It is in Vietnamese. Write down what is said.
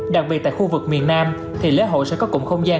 đặc biệt tại khu vực miền nam thì lễ hội sẽ có cụm không gian